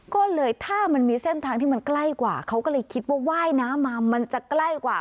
ก็เลยถ้ามันมีเส้นทางที่มันใกล้กว่าเขาก็เลยคิดว่าว่ายน้ำมามันจะใกล้กว่า